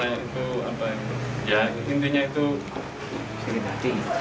itu apa yang ya intinya itu dihanati